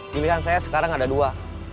pilihan saya sekarang ada dua